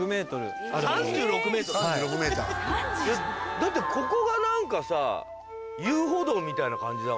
だってここが何かさ遊歩道みたいな感じだもんね。